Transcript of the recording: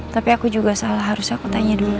tapi aku juga salah harusnya aku tanya dulu sama kamu